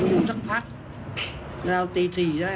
อู๋ทั้งพักแล้วตีได้